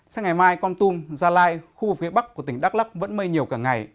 sáng ngày mai con tum gia lai khu vực phía bắc của tỉnh đắk lắc vẫn mây nhiều cả ngày